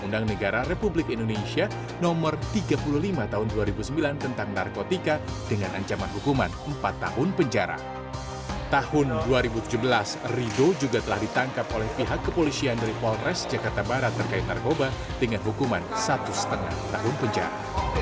dan selanjutnya ridho juga ditangkap oleh pihak kepolisian dari polres jakarta barat terkait narkoba dengan hukuman satu lima tahun penjara